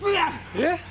えっ！？